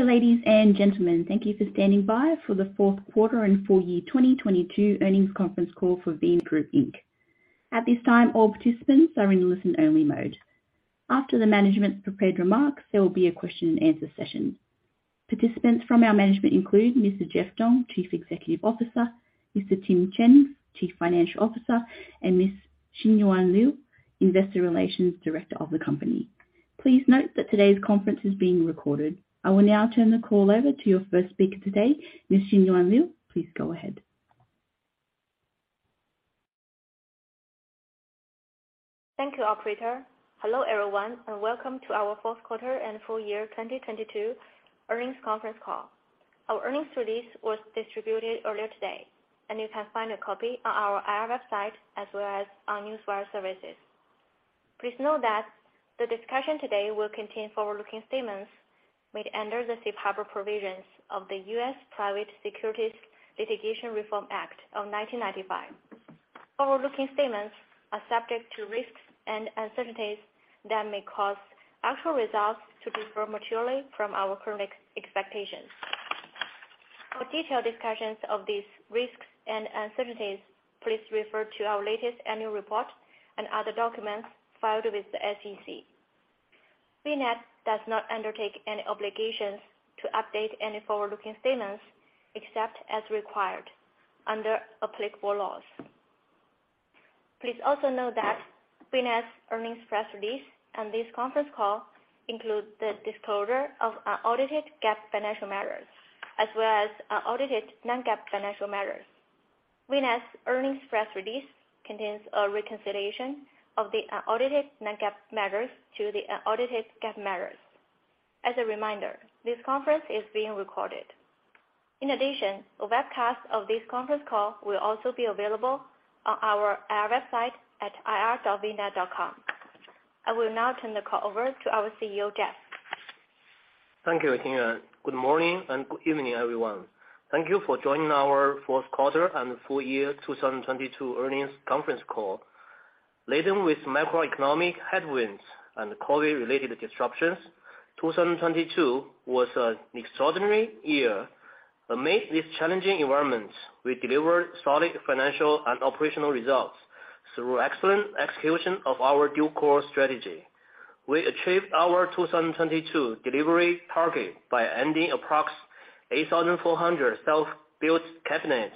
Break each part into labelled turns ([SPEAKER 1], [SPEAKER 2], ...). [SPEAKER 1] Hello, ladies and gentlemen. Thank you for standing by for the 4th quarter and full year 2022 earnings conference call for VNET Group, Inc.. At this time, all participants are in listen-only mode. After the management's prepared remarks, there will be a question-and-answer session. Participants from our management include Mr. Jeff Dong, Chief Executive Officer, Mr. Tim Chen, Chief Financial Officer, and Ms. Xinyuan Liu, Investor Relations Director of the company. Please note that today's conference is being recorded. I will now turn the call over to your first speaker today, Ms. Xinyuan Liu. Please go ahead.
[SPEAKER 2] Thank you, operator. Hello, everyone, and welcome to our fourth quarter and full year 2022 earnings conference call. Our earnings release was distributed earlier today, and you can find a copy on our IR website as well as on Newswire services. Please note that the discussion today will contain forward-looking statements made under the safe harbor provisions of the U.S. Private Securities Litigation Reform Act of 1995. Forward-looking statements are subject to risks and uncertainties that may cause actual results to differ materially from our current expectations. For detailed discussions of these risks and uncertainties, please refer to our latest annual report and other documents filed with the SEC. VNET does not undertake any obligations to update any forward-looking statements except as required under applicable laws. Please also note that VNET's earnings press release and this conference call include the disclosure of audited GAAP financial measures as well as audited non-GAAP financial measures. VNET's earnings press release contains a reconciliation of the audited non-GAAP measures to the audited GAAP measures. As a reminder, this conference is being recorded. In addition, a webcast of this conference call will also be available on our IR website at ir.vnet.com. I will now turn the call over to our CEO, Jeff.
[SPEAKER 3] Thank you, Xinyuan. Good morning and good evening, everyone. Thank you for joining our fourth quarter and full year 2022 earnings conference call. Laden with macroeconomic headwinds and COVID-related disruptions, 2022 was an extraordinary year. Amidst these challenging environments, we delivered solid financial and operational results through excellent execution of our Dual-Core strategy. We achieved our 2022 delivery target by ending approx 8,400 self-built CapEx.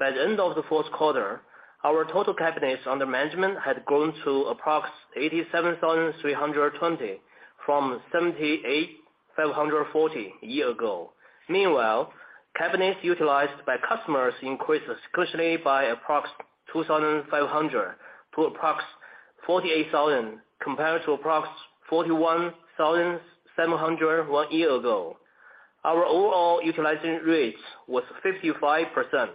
[SPEAKER 3] By the end of the fourth quarter, our total CapEx under management had grown to approx 87,320 from 78,540 a year ago. Cabinets utilized by customers increased sequentially by approx 2,500 to approx 48,000 compared to approx 41,700 one year ago. Our overall utilization rates was 55%.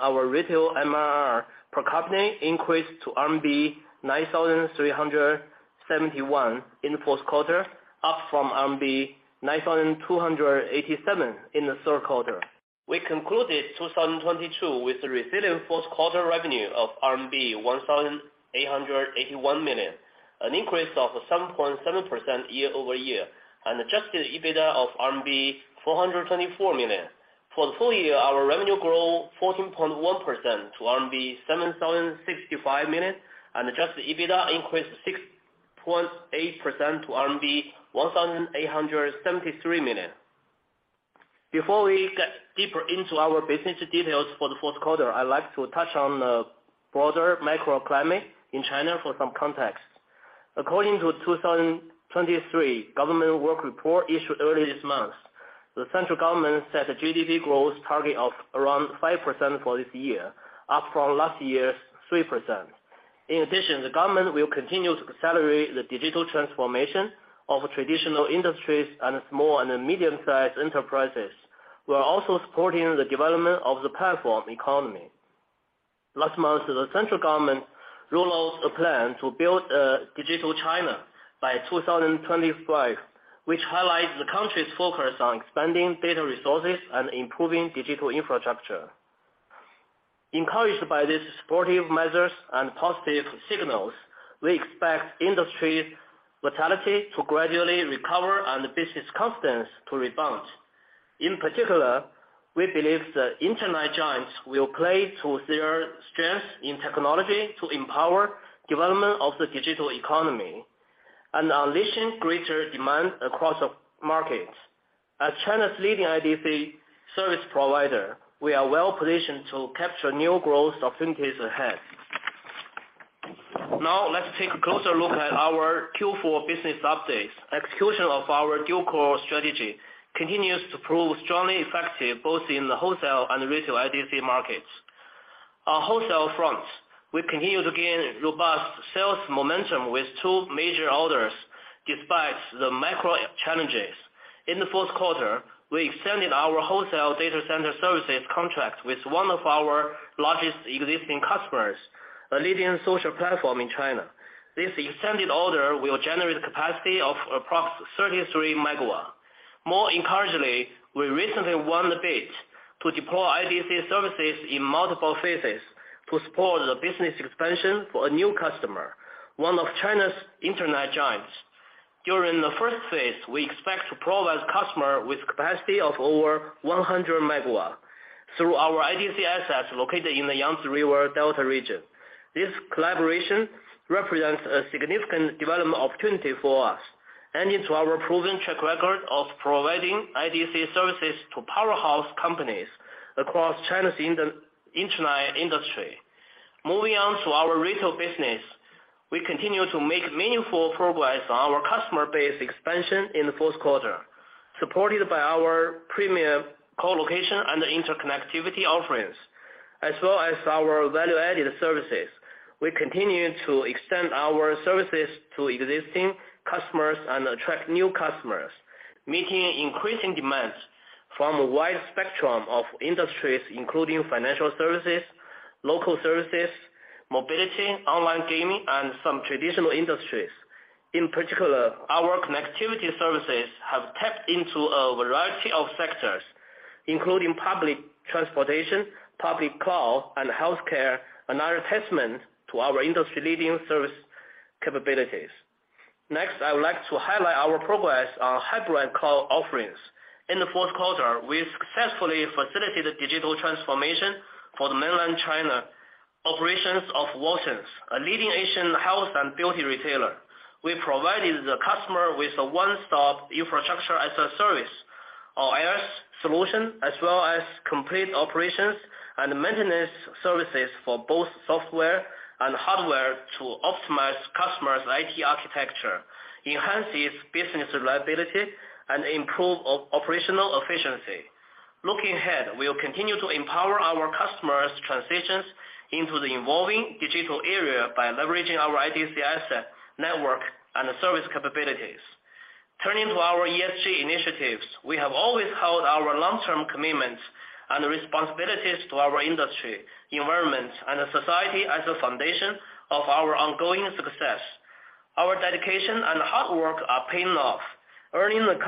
[SPEAKER 3] Our retail MRR per cabinet increased to RMB 9,371 in the fourth quarter, up from RMB 9,287 in the third quarter. We concluded 2022 with a resilient fourth quarter revenue of RMB 1,881 million, an increase of 7.7% year-over-year, and adjusted EBITDA of RMB 424 million. For the full year, our revenue grew 14.1% to RMB 7,065 million and adjusted EBITDA increased 6.8% to RMB 1,873 million. Before we get deeper into our business details for the fourth quarter, I'd like to touch on the broader macro climate in China for some context. According to 2023 government work report issued early this month, the central government set a GDP growth target of around 5% for this year, up from last year's 3%. In addition, the government will continue to accelerate the digital transformation of traditional industries and small and medium-sized enterprises, who are also supporting the development of the platform economy. Last month, the central government rolled out a plan to build a Digital China by 2025, which highlights the country's focus on expanding data resources and improving digital infrastructure. Encouraged by these supportive measures and positive signals, we expect industry vitality to gradually recover and business confidence to rebound. In particular, we believe the internet giants will play to their strengths in technology to empower development of the digital economy and unleash greater demand across all markets. As China's leading IDC service provider, we are well-positioned to capture new growth opportunities ahead. Now let's take a closer look at our Q4 business updates. Execution of our Dual-Core strategy continues to prove strongly effective, both in the wholesale and retail IDC markets. On wholesale fronts, we continue to gain robust sales momentum with two major orders despite the macro challenges. In the fourth quarter, we extended our wholesale data center services contract with one of our largest existing customers, a leading social platform in China. This extended order will generate a capacity of approx 33 megawatt. More encouragingly, we recently won the bid-To deploy IDC services in multiple phases to support the business expansion for a new customer, one of China's internet giants. During the first phase, we expect to provide customer with capacity of over 100 megawatt through our IDC assets located in the Yangtze River Delta region. This collaboration represents a significant development opportunity for us and into our proven track record of providing IDC services to powerhouse companies across China's internet industry. Moving on to our retail business. We continue to make meaningful progress on our customer base expansion in the fourth quarter, supported by our premier co-location and interconnectivity offerings, as well as our value-added services. We continue to extend our services to existing customers and attract new customers, meeting increasing demands from a wide spectrum of industries, including financial services, local services, mobility, online gaming, and some traditional industries. In particular, our connectivity services have tapped into a variety of sectors, including public transportation, public cloud, and healthcare, another testament to our industry-leading service capabilities. Next, I would like to highlight our progress on hybrid cloud offerings. In the fourth quarter, we successfully facilitated digital transformation for the mainland China operations of Watsons, a leading Asian health and beauty retailer. We provided the customer with a one-stop Infrastructure as a Service or IaaS solution, as well as complete operations and maintenance services for both software and hardware to optimize customers' IT architecture, enhance its business reliability, and improve operational efficiency. Looking ahead, we'll continue to empower our customers' transitions into the evolving digital area by leveraging our IDC asset network and service capabilities. Turning to our ESG initiatives. We have always held our long-term commitments and responsibilities to our industry, environment, and society as a foundation of our ongoing success. Our dedication and hard work are paying off, earning the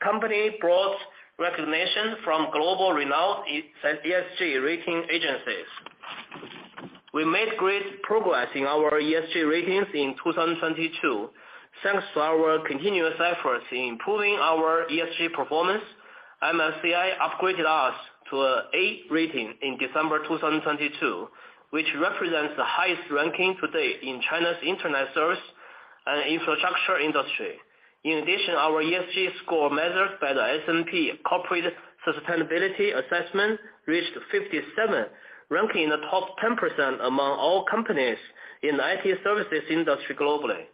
[SPEAKER 3] company broad recognition from global renowned ESG rating agencies. We made great progress in our ESG ratings in 2022. Thanks to our continuous efforts in improving our ESG performance, MSCI upgraded us to a A rating in December 2022, which represents the highest ranking to date in China's internet service and infrastructure industry. In addition, our ESG score measured by the S&P Global Corporate Sustainability Assessment reached 57, ranking in the top 10% among all companies in the IT services industry globally.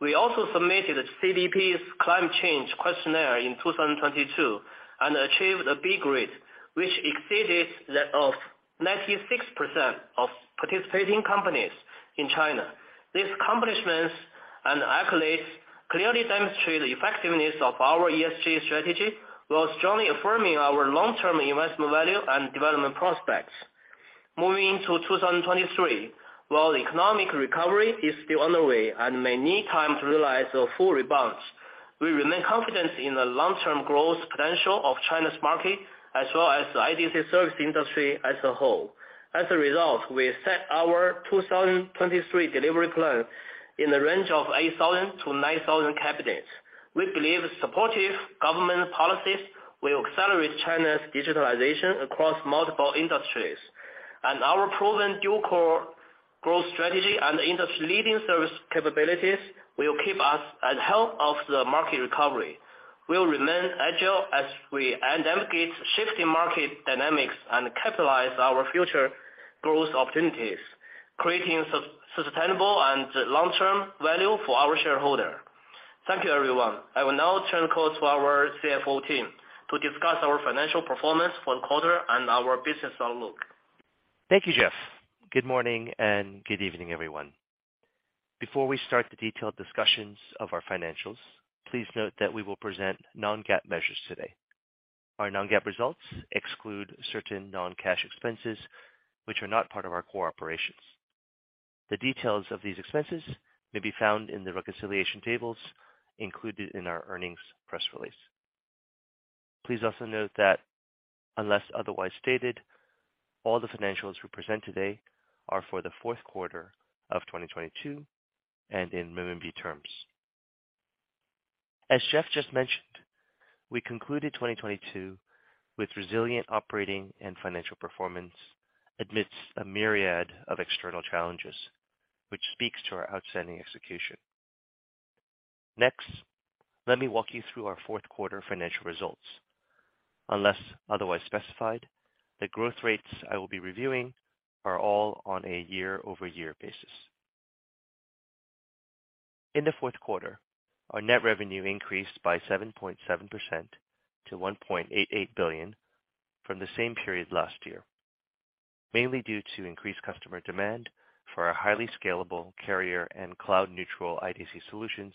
[SPEAKER 3] We also submitted CDP's climate change questionnaire in 2022, and achieved a B grade, which exceeded that of 96% of participating companies in China. These accomplishments and accolades clearly demonstrate the effectiveness of our ESG strategy, while strongly affirming our long-term investment value and development prospects. Moving into 2023. While the economic recovery is still underway and may need time to realize the full rebounds, we remain confident in the long-term growth potential of China's market, as well as the IDC service industry as a whole. We set our 2023 delivery plan in the range of 8,000-9,000 CapEx. We believe supportive government policies will accelerate China's digitalization across multiple industries. Our proven Dual-Core strategy and industry-leading service capabilities will keep us at the helm of the market recovery. We'll remain agile as we navigate shifting market dynamics and capitalize our future growth opportunities, creating sustainable and long-term value for our shareholder. Thank you, everyone. I will now turn the call to our CFO Tim to discuss our financial performance for the quarter and our business outlook.
[SPEAKER 4] Thank you, Jeff. Good morning and good evening, everyone. Before we start the detailed discussions of our financials, please note that we will present non-GAAP measures today. Our non-GAAP results exclude certain non-cash expenses, which are not part of our core operations. The details of these expenses may be found in the reconciliation tables included in our earnings press release. Please also note that unless otherwise stated, all the financials we present today are for the fourth quarter of 2022 and in renminbi terms. As Jeff just mentioned, we concluded 2022 with resilient operating and financial performance amidst a myriad of external challenges, which speaks to our outstanding execution. Next, let me walk you through our fourth quarter financial results. Unless otherwise specified, the growth rates I will be reviewing are all on a year-over-year basis. In the fourth quarter, our net revenue increased by 7.7% to $1.88 billion from the same period last year, mainly due to increased customer demand for our highly scalable carrier- and cloud-neutral IDC solutions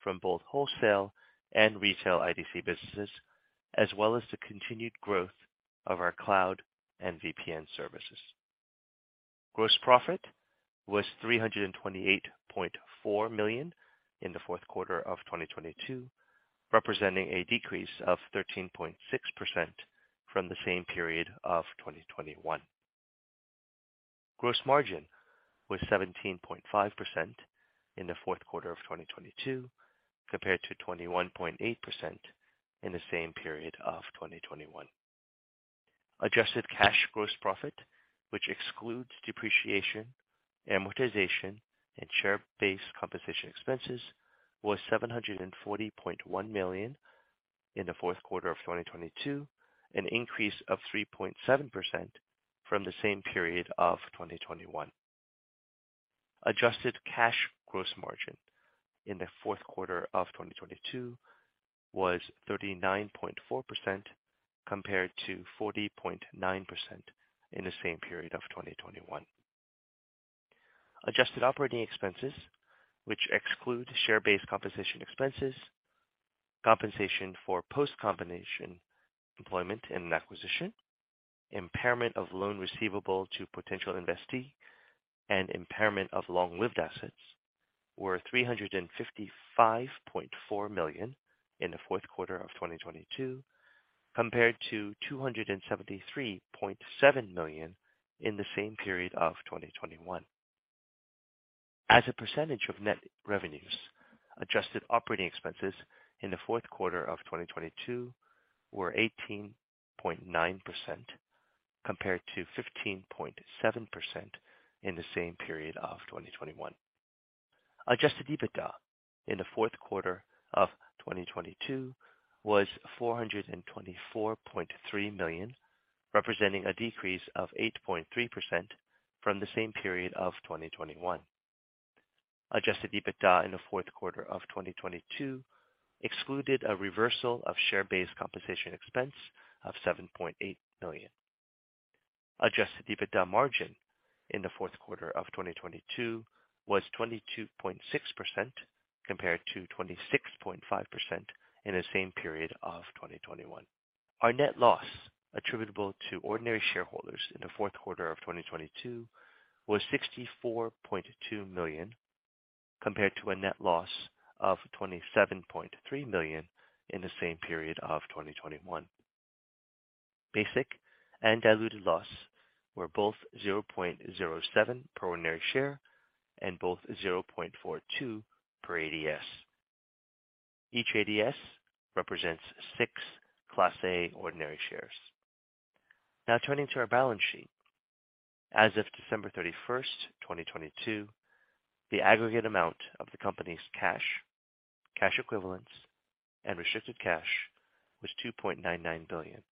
[SPEAKER 4] from both wholesale and retail IDC businesses, as well as the continued growth of our cloud and VPN services. Gross profit was $328.4 million in the fourth quarter of 2022, representing a decrease of 13.6% from the same period of 2021. Gross margin was 17.5% in the fourth quarter of 2022, compared to 21.8% in the same period of 2021. Adjusted cash gross profit, which excludes depreciation, amortization, and share-based compensation expenses, was $740.1 million in the fourth quarter of 2022, an increase of 3.7% from the same period of 2021. Adjusted cash gross margin in the fourth quarter of 2022 was 39.4% compared to 40.9% in the same period of 2021. Adjusted operating expenses, which exclude share-based compensation expenses, compensation for post-combination employment and acquisition, impairment of loan receivable to potential investee and impairment of long-lived assets were $355.4 million in the fourth quarter of 2022, compared to $273.7 million in the same period of 2021. As a percentage of net revenues, adjusted operating expenses in the fourth quarter of 2022 were 18.9% compared to 15.7% in the same period of 2021. Adjusted EBITDA in the fourth quarter of 2022 was $424.3 million, representing a decrease of 8.3% from the same period of 2021. Adjusted EBITDA in the fourth quarter of 2022 excluded a reversal of share-based compensation expense of $7.8 million. Adjusted EBITDA margin in the fourth quarter of 2022 was 22.6% compared to 26.5% in the same period of 2021. Our net loss attributable to ordinary shareholders in the fourth quarter of 2022 was $64.2 million, compared to a net loss of $27.3 million in the same period of 2021. Basic and diluted loss were both $0.07 per ordinary share and both $0.42 per ADS. Each ADS represents 6 Class A ordinary shares. Turning to our balance sheet. As of December 31st, 2022, the aggregate amount of the company's cash equivalents and restricted cash was $2.99 billion.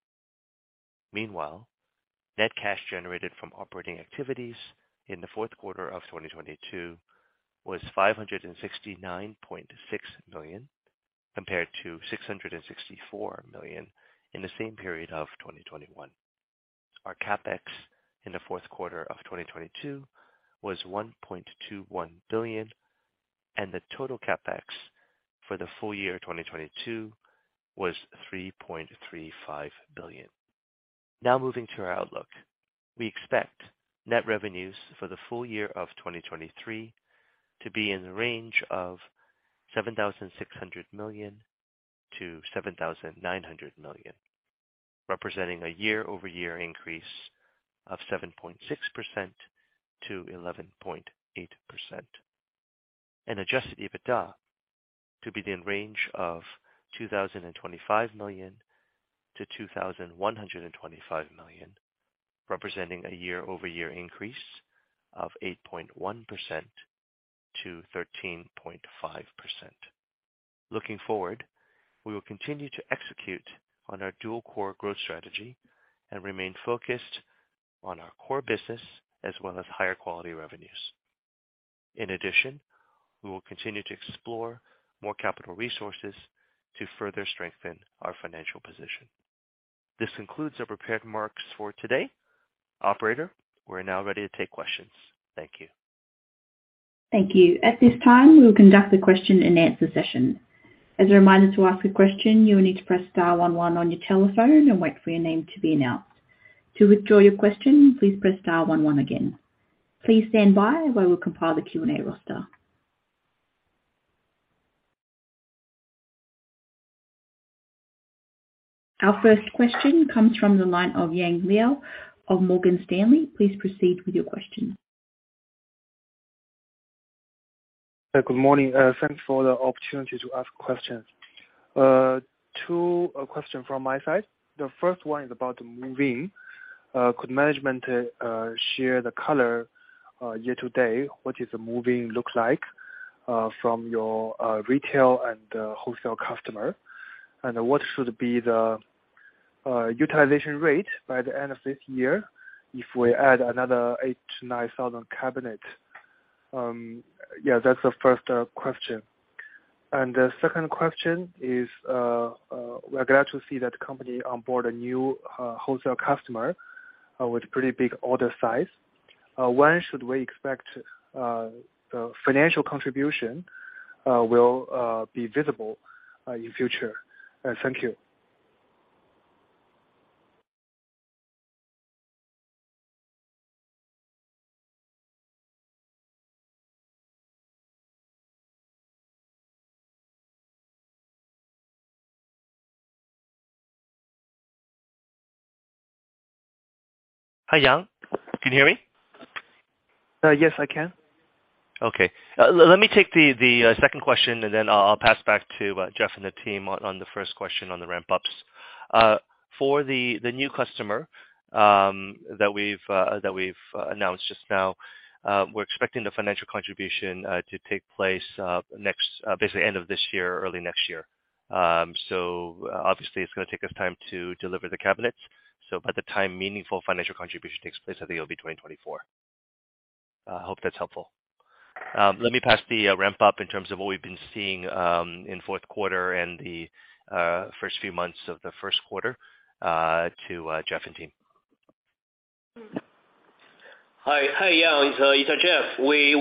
[SPEAKER 4] Net cash generated from operating activities in the fourth quarter of 2022 was $569.6 million, compared to $664 million in the same period of 2021. Our CapEx in the fourth quarter of 2022 was 1.21 billion, and the total CapEx for the full year 2022 was 3.35 billion. Now move-in to our outlook. We expect net revenues for the full year of 2023 to be in the range of 7,600 million-7,900 million, representing a year-over-year increase of 7.6%-11.8%. Adjusted EBITDA to be in range of 2,025 million-2,125 million, representing a year-over-year increase of 8.1%-13.5%. Looking forward, we will continue to execute on our Dual-Core strategy and remain focused on our core business as well as higher quality revenues. We will continue to explore more capital resources to further strengthen our financial position. This concludes the prepared remarks for today. Operator, we are now ready to take questions. Thank you.
[SPEAKER 1] Thank you. At this time, we will conduct the question-and-answer session. As a reminder, to ask a question, you will need to press star one one on your telephone and wait for your name to be announced. To withdraw your question, please press star one one again. Please stand by while we compile the Q&A roster. Our first question comes from the line of Yang Liu of Morgan Stanley. Please proceed with your question.
[SPEAKER 5] Good morning. Thanks for the opportunity to ask questions. Two question from my side. The first one is about move-in. Could management share the color year to date? What is the move-in look like from your retail and wholesale customer? What should be the utilization rate by the end of this year if we add another 8,000-9,000 CapEx? Yeah, that's the first question. The second question is, we're glad to see that company onboard a new wholesale customer with pretty big order size. When should we expect the financial contribution will be visible in future? Thank you.
[SPEAKER 4] Hi, Yang. Can you hear me?
[SPEAKER 5] Yes, I can.
[SPEAKER 4] Okay. Let me take the second question. I'll pass back to Jeff and the team on the first question on the ramp ups. For the new customer that we've announced just now, we're expecting the financial contribution to take place next... basically end of this year, early next year. Obviously it's gonna take us time to deliver the CapEx. By the time meaningful financial contribution takes place, I think it'll be 2024. I hope that's helpful. Let me pass the ramp up in terms of what we've been seeing in fourth quarter and the first few months of the first quarter to Jeff and team.
[SPEAKER 3] Hi. Hi, Yang. It's Jeff. We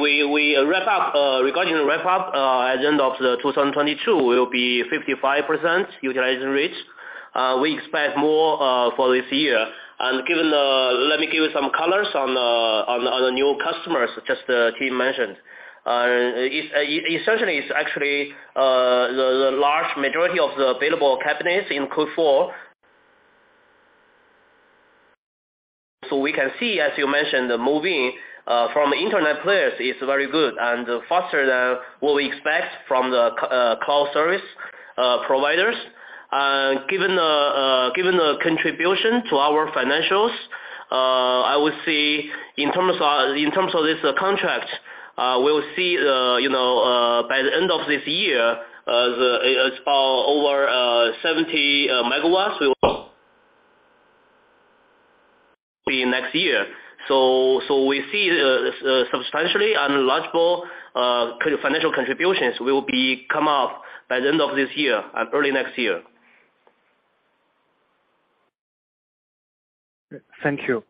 [SPEAKER 3] ramp up. Regarding the ramp up, at the end of 2022 will be 55% utilization rate. We expect more for this year. Let me give you some colors on the new customers, just the team mentioned. Essentially, it's actually the large majority of the available CapEx in Q4. We can see, as you mentioned, the move-in from internet players is very good and faster than what we expect from the cloud service providers. Given the contribution to our financials, I would say in terms of this contract, we'll see, you know, by the end of this year. over 70 megawatts we be next year. We see substantially and logical financial contributions will be come up by the end of this year and early next year.
[SPEAKER 6] Thank you.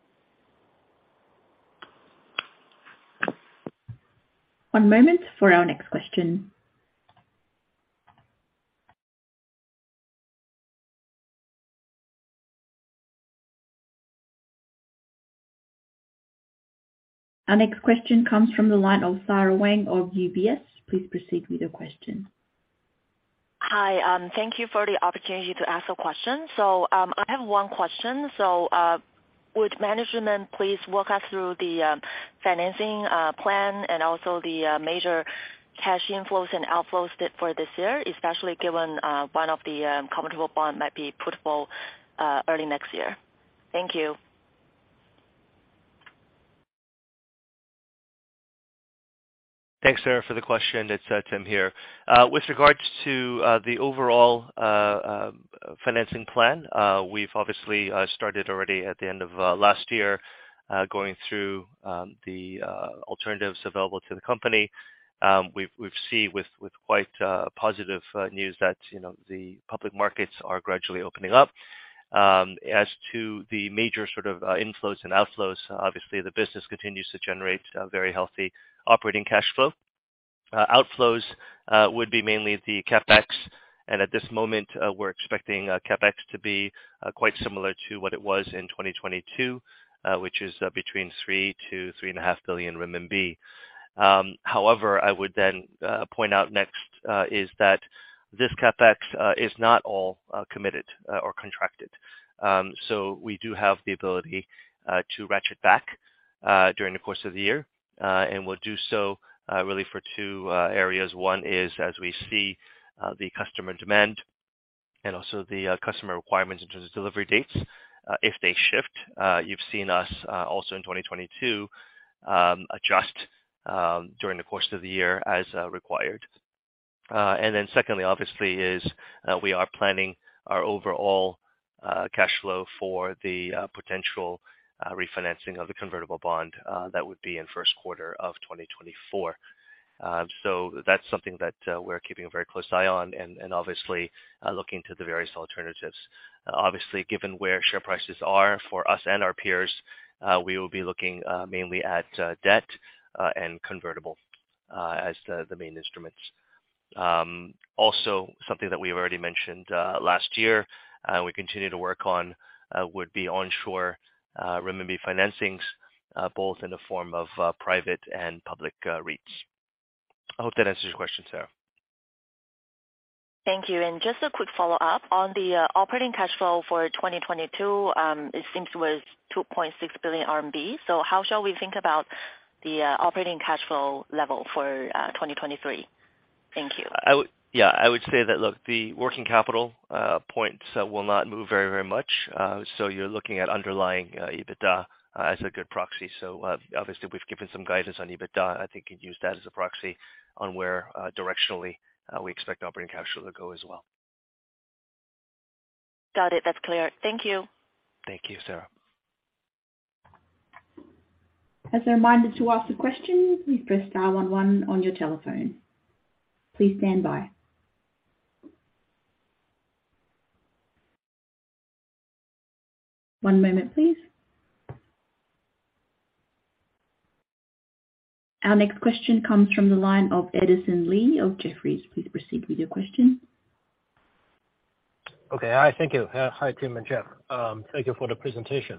[SPEAKER 1] One moment for our next question. Our next question comes from the line of Sara Wang of UBS. Please proceed with your question.
[SPEAKER 7] Hi. Thank you for the opportunity to ask a question. I have one question. Would management please walk us through the financing plan and also the major cash inflows and outflows for this year, especially given one of the convertible bond might be puttable early next year? Thank you.
[SPEAKER 4] Thanks, Sara, for the question. It's Tim here. With regards to the overall financing plan, we've obviously started already at the end of last year, going through the alternatives available to the company. We've seen with quite positive news that, you know, the public markets are gradually opening up. As to the major sort of inflows and outflows, obviously the business continues to generate a very healthy operating cash flow. Outflows would be mainly the CapEx, and at this moment, we're expecting CapEx to be quite similar to what it was in 2022, which is between 3 billion-3.5 billion renminbi. However, I would then point out next is that this CapEx is not all committed or contracted. We do have the ability to ratchet back during the course of the year, and we'll do so really for 2 areas. One is as we see the customer demand and also the customer requirements in terms of delivery dates, if they shift. You've seen us also in 2022 adjust during the course of the year as required. Secondly, obviously is we are planning our overall cash flow for the potential refinancing of the convertible bond, that would be in 1st quarter of 2024. That's something that we're keeping a very close eye on and obviously looking to the various alternatives. Obviously, given where share prices are for us and our peers, we will be looking mainly at debt and convertible as the main instruments. Also something that we have already mentioned last year, we continue to work on would be onshore renminbi financings, both in the form of private and public REITs. I hope that answers your question, Sara.
[SPEAKER 7] Thank you. Just a quick follow-up. On the operating cash flow for 2022, it seems was 2.6 billion RMB. How shall we think about the operating cash flow level for 2023? Thank you.
[SPEAKER 4] Yeah, I would say that, look, the working capital points will not move very, very much. You're looking at underlying EBITDA as a good proxy. Obviously, we've given some guidance on EBITDA. I think you'd use that as a proxy on where, directionally, we expect operating cash flow to go as well.
[SPEAKER 7] Got it. That's clear. Thank you.
[SPEAKER 4] Thank you, Sara.
[SPEAKER 1] As a reminder to ask a question, please press star one one on your telephone. Please stand by. One moment, please. Our next question comes from the line of Edison Lee of Jefferies. Please proceed with your question.
[SPEAKER 6] Okay. Hi. Thank you. Hi, Tim and Jeff. Thank you for the presentation.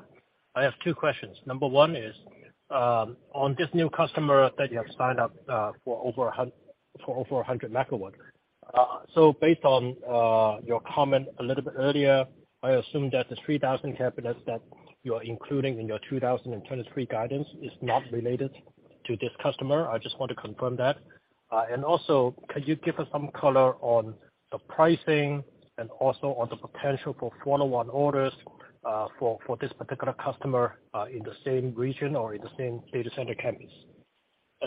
[SPEAKER 6] I have two questions. Number one is, on this new customer that you have signed up, for over 100 megawatt. Based on your comment a little bit earlier, I assume that the 3,000 CapEx that you're including in your 2023 guidance is not related to this customer. I just want to confirm that. Also, could you give us some color on the pricing and also on the potential for follow-on orders for this particular customer in the same region or in the same data center campus?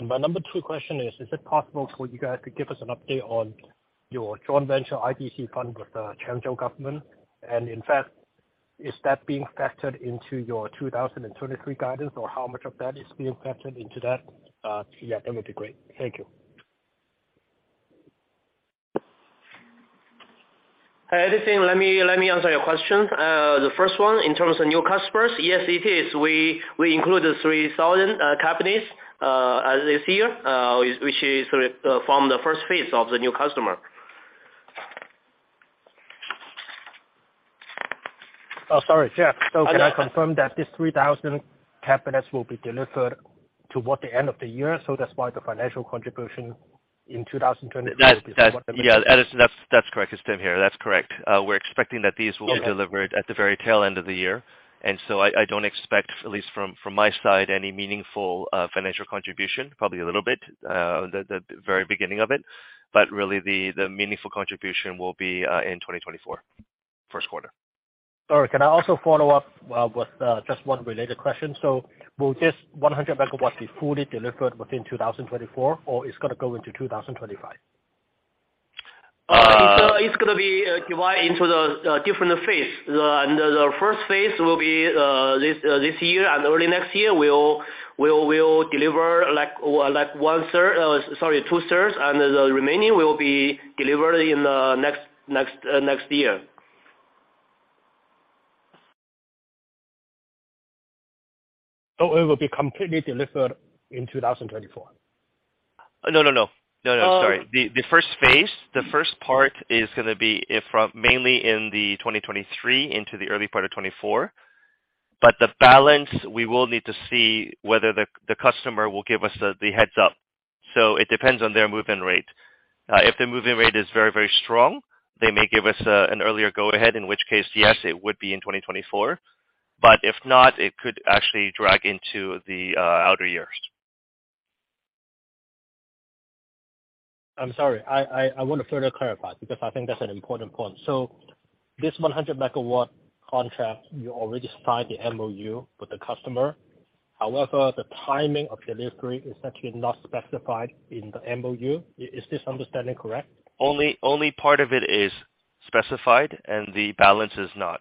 [SPEAKER 6] My number two question is it possible for you guys to give us an update on your joint venture IDC fund with the Changzhou government? In fact, is that being factored into your 2023 guidance, or how much of that is being factored into that? Yeah, that would be great. Thank you.
[SPEAKER 3] Hi, Edison. Let me answer your question. The first one in terms of new customers. Yes, it is. We include the 3,000 CapEx as is here, which is from the first phase of the new customer.
[SPEAKER 6] Oh, sorry, Jeff. Can I confirm that this 3,000 CapEx will be delivered toward the end of the year, so that's why the financial contribution in 2024?
[SPEAKER 4] Yeah, Edison, that's correct. It's Tim here. That's correct. We're expecting that these will be delivered at the very tail end of the year. I don't expect, at least from my side, any meaningful financial contribution, probably a little bit the very beginning of it, but really the meaningful contribution will be in 2024, first quarter.
[SPEAKER 6] All right. Can I also follow up with just one related question? Will this 100 megawatt be fully delivered within 2024 or it's gonna go into 2025?
[SPEAKER 3] It's gonna be divided into the different phase. The first phase will be this year and early next year, we'll deliver like one third, sorry, two thirds, and the remaining will be delivered in the next year.
[SPEAKER 6] It will be completely delivered in 2024?
[SPEAKER 4] No, no. No, sorry. The first phase, the first part is gonna be if from mainly in 2023 into the early part of 2024. The balance, we will need to see whether the customer will give us the heads-up, so it depends on their move-in rate. If the move-in rate is very, very strong, they may give us an earlier go ahead, in which case, yes, it would be in 2024. If not, it could actually drag into the outer years.
[SPEAKER 6] I'm sorry. I want to further clarify because I think that's an important point. This 100 megawatt contract, you already signed the MOU with the customer. However, the timing of delivery is actually not specified in the MOU. Is this understanding correct?
[SPEAKER 4] Only part of it is specified and the balance is not.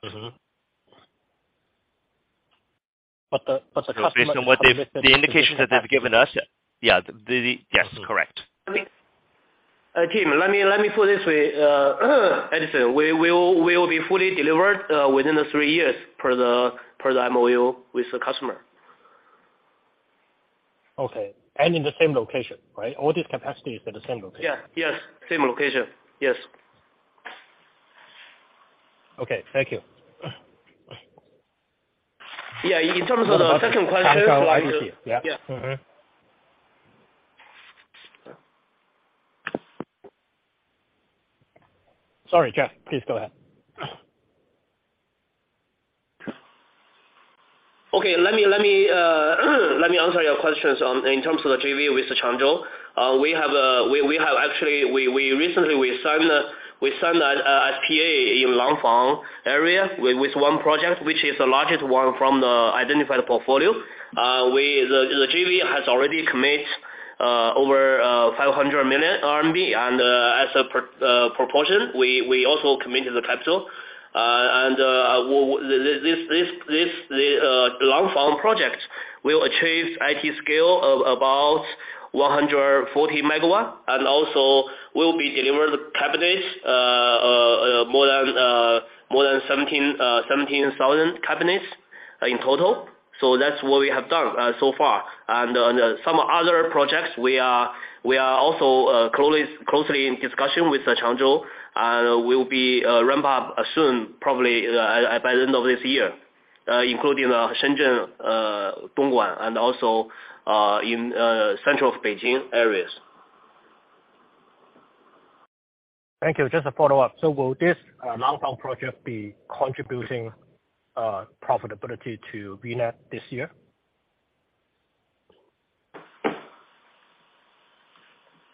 [SPEAKER 6] the customer commitment
[SPEAKER 4] The indication that they've given us, yeah. Yes, correct.
[SPEAKER 3] I think. Tim, let me put it this way. Edison, we will be fully delivered within the three years per the MOU with the customer.
[SPEAKER 6] Okay. In the same location, right? All these capacities are the same location.
[SPEAKER 3] Yeah. Yes, same location. Yes.
[SPEAKER 6] Okay. Thank you.
[SPEAKER 3] Yeah. In terms of the second question
[SPEAKER 6] Yeah. Sorry, Jeff. Please go ahead.
[SPEAKER 3] Okay. Let me answer your questions on, in terms of the JV with Changzhou. We have actually, we recently signed a SPA in Langfang area with one project, which is the largest one from the identified portfolio. The JV has already commit over 500 million RMB and, as a proportion, we also committed the capital. This Langfang project will achieve IT scale of about 140 megawatt, and also will be delivering the CapEx, more than 17,000 CapEx in total. That's what we have done, so far. On some other projects, we are also closely in discussion with Changzhou, we'll be ramp up soon, probably by the end of this year, including Shenzhen, Dongguan, and also in central Beijing areas.
[SPEAKER 6] Thank you. Just a follow-up. Will this Langfang project be contributing profitability to VNET this year?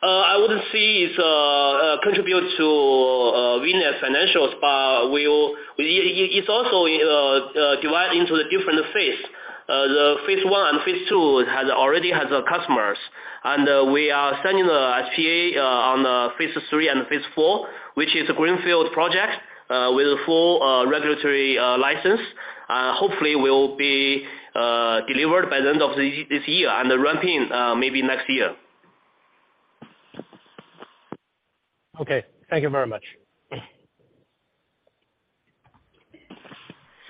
[SPEAKER 3] I wouldn't say it's contribute to VNET financials. It's also divided into the different phase. The phase one and phase two already has the customers. We are sending the SPA on phase three and phase four, which is a greenfield project with full regulatory license. Hopefully will be delivered by the end of this year and ramped in maybe next year.
[SPEAKER 6] Okay. Thank you very much.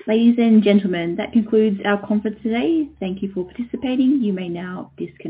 [SPEAKER 1] Ladies and gentlemen, that concludes our conference today. Thank you for participating. You may now disconnect.